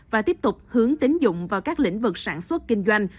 và tiếp tục hướng tín dụng vào các lĩnh vực sản xuất kinh doanh